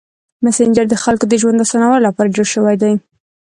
مسېنجر د خلکو د ژوند اسانولو لپاره جوړ شوی دی.